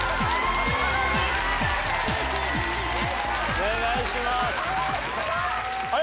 お願いしますあれ？